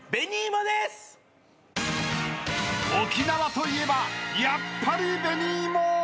［沖縄といえばやっぱり］